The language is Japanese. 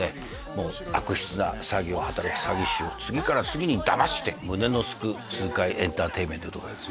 もう悪質な詐欺をはたらく詐欺師を次から次に騙して胸のすく痛快エンターテインメントでございます